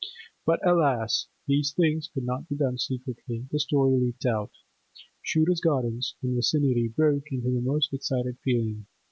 But, alas! these things could not be done secretly; the story leaked out; Shooter's Gardens and vicinity broke into the most excited feeling.